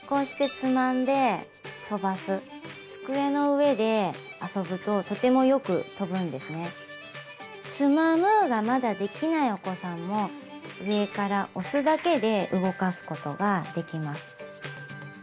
つまむがまだできないお子さんも上から押すだけで動かすことができます。